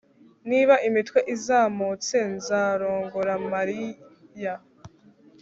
niba imitwe izamutse, nzarongora marie